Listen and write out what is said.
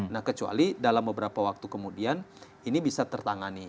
nah kecuali dalam beberapa waktu kemudian ini bisa tertangani